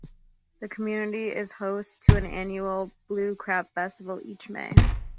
The community is host to an annual Blue Crab Festival each May.